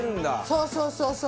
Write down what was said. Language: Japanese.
そうそうそうそう！